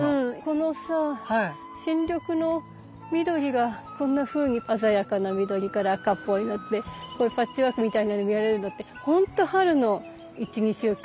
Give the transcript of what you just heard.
このさ新緑の緑がこんなふうに鮮やかな緑から赤っぽいのあってこういうパッチワークみたいなの見られるのってほんと春の１２週間。